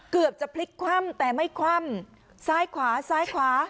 เกือบจะพลิกคว่ำแต่ไม่คว่ำซ้ายขวาซ้ายขวา